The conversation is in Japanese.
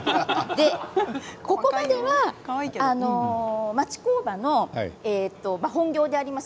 ここには町工場の本業であります